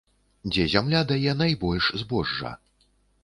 Дзе зямля дае найбольш збожжа?